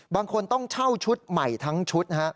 บางคนต้องเช่าชุดใหม่ทั้งชุด